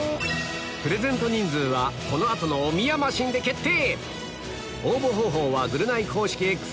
プレゼント人数はこの後のおみやマシンで決定！